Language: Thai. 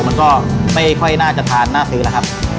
มันก็ไม่ค่อยน่าจะทานน่าซื้อแล้วครับ